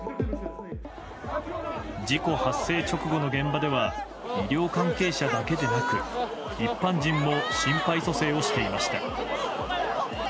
事故発生直後の現場では医療関係者だけでなく一般人も心肺蘇生していました。